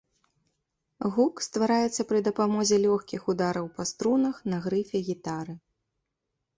Гук ствараецца пры дапамозе лёгкіх удараў па струнах на грыфе гітары.